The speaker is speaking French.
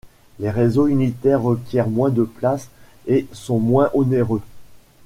Les réseaux unitaires requièrent moins de place et sont moins onéreux.